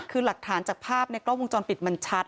คือหลักฐานจากภาพในกล้องวงจรปิดมันชัด